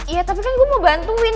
iya tapi kan gue mau bantuin